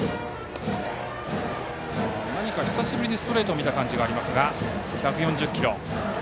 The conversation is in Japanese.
何か久しぶりにストレートを見た気がしますが１４０キロ。